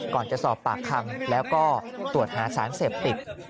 ก่อนจะสอบปากคำแล้วก็ตรวจหาสารเสพติด